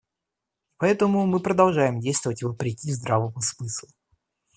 И поэтому мы продолжаем действовать вопреки здравому смыслу.